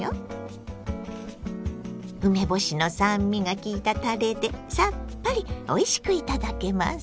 梅干しの酸味がきいたたれでさっぱりおいしくいただけます。